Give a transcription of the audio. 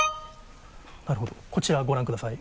なるほどこちらご覧ください。